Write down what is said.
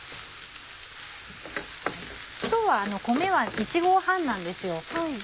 今日は米は１合半なんですよ。